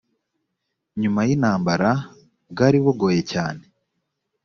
nyuma y intambara bwari bugoye cyane